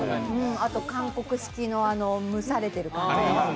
あと韓国式の蒸されている感じ。